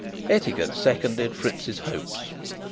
Etiquette seconded Fritz's hopes.